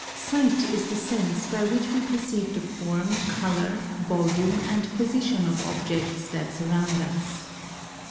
Sight is the sense by which we perceive the form, colour, volume, and position of objects that surround us.